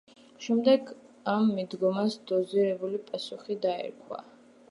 შემდეგ ამ მიდგომას „დოზირებული პასუხი“ დაერქვა.